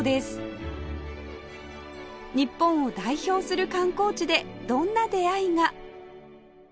日本を代表する観光地でどんな出会いが？